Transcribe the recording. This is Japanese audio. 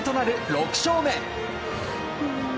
６勝目。